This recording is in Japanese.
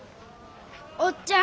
「おっちゃん。